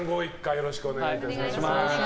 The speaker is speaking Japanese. よろしくお願いします。